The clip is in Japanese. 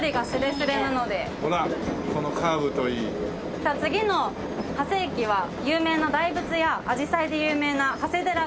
さあ次の長谷駅は有名な大仏やアジサイで有名な長谷寺が。